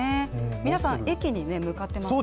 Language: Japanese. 皆さん、駅に向かってますね。